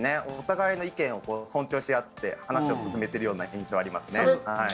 お互いの意見を尊重し合って話を進めているような印象がありますね。